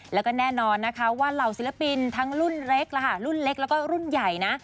แล้วก็แน่นอนนะคะว่าเหล่าศิลปินทั้งรุ่นเล็กรุ่นเล็กแล้วก็รุ่นใหญ่นะ